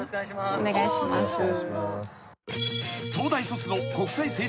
「お願いします」